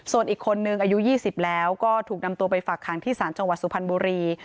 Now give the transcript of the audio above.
ส่วนอีกคนนึงอายุ๒๐แล้วก็ถูกนำตัวไปฝากขังที่ศาลจังหวัดสุพรรณบุรี